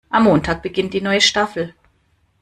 Am Montag beginnt die neue Staffel.